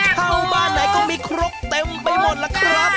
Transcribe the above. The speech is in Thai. เข้าบ้านไหนก็มีครกเต็มไปหมดล่ะครับ